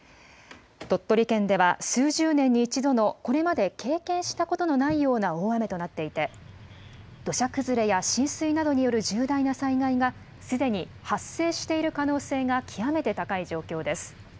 鳥取県では数十年に一度の、これまで経験したことのないような大雨となっていて、土砂崩れや浸水などによる重大な災害がすでに発生している可能性が極めて高い状況です。